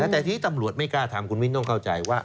แต่ทีนี้ตำรวจไม่กล้าทำคุณวินต้องเข้าใจว่า